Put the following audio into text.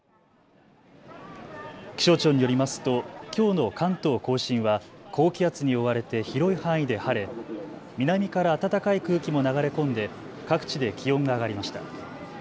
気象庁によりますときょうの関東甲信は高気圧に覆われて広い範囲で晴れ南から暖かい空気も流れ込んで各地で気温が上がりました。